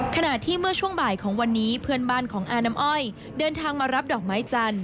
ขณะที่เมื่อช่วงบ่ายของวันนี้เพื่อนบ้านของอาน้ำอ้อยเดินทางมารับดอกไม้จันท